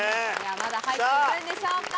まだ入っているんでしょうか？